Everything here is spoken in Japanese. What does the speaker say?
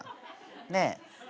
ねえ。